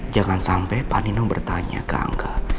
jangan sampai panino bertanya ke angga